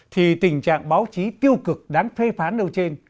thì tình trạng báo chí tiêu cực đáng phê phán đâu trên